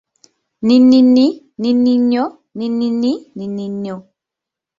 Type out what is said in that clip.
Ninini- ninio, ninini-ninio.